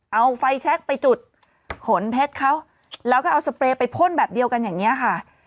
เอาไฟแชคไปจุดขนเพชรเขาแล้วก็เอาสเปรย์ไปพ่นแบบเดียวกันอย่างนี้ค่ะ